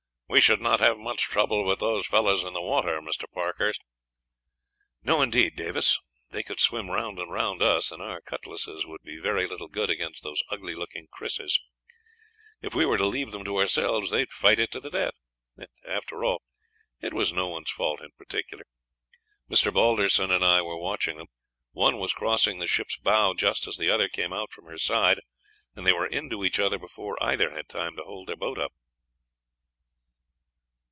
"We should not have much chance with those fellows in the water, Mr. Parkhurst," an old sailor said to Harry. "No, indeed, Davis; they could swim round and round us, and our cutlasses would be very little good against those ugly looking krises. If we were to leave them to themselves, they would fight to the death; and, after all, it was no one's fault in particular. Mr. Balderson and I were watching them; one was crossing the ship's bow just as the other came out from her side, and they were into each other before either had time to hold their boat up."